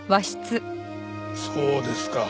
そうですか。